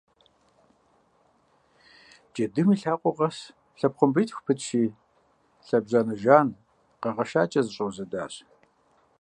Джэдум и лъакъуэ къэс лъэпхъуамбитху пытщи лъэбжьанэ жан къэгъэшакӏэ зэщӏэузэдащ.